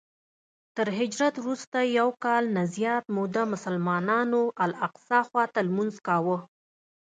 تر هجرت وروسته یو کال نه زیاته موده مسلمانانو الاقصی خواته لمونځ کاوه.